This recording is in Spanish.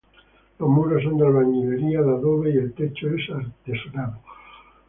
Los muros son de albañilería de adobe y el techo es artesonado.